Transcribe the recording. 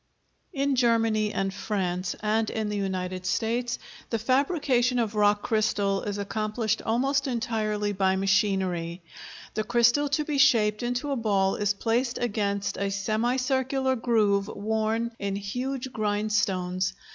] In Germany and France and in the United States, the fabrication of rock crystal is accomplished almost entirely by machinery. The crystal to be shaped into a ball is placed against a semicircular groove worn in huge grindstones.